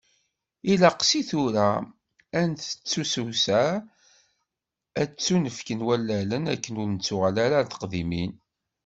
Ilaq seg tura, ad tettusewseɛ, ad as-ttunefken wallalen, akken ur nettuɣal ara ɣer teqdimin.